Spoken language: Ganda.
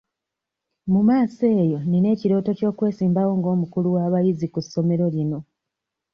Mu maaso eyo nnina ekirooto ky'okwesimbawo nga omukulu w'abayizi ku ssomero lino.